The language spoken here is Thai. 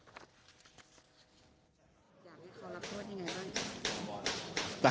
อยากให้เขารับโทษยังไงบ้าง